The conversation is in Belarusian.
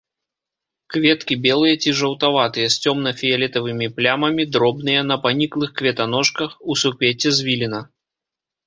Кветкі белыя ці жаўтаватыя, з цёмна-фіялетавымі плямамі, дробныя, на паніклых кветаножках, у суквецці звіліна.